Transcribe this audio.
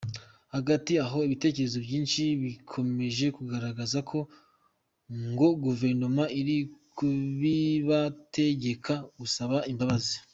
Hagati aho, ibitekerezo byinshi bikomeje kugaragaza ko ngo Guverinoma iri kubibategeka gusaba imbabazi.